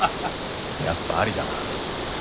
やっぱありだな。